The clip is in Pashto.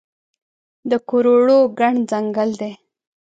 د کروړو ګڼ ځنګل دی